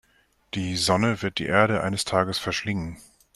Die Sonne wird die Erde eines Tages verschlingen.